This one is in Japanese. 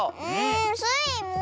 スイも！